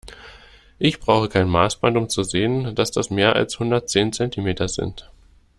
Ich brauche kein Maßband, um zu sehen, dass das mehr als hundertzehn Zentimeter sind.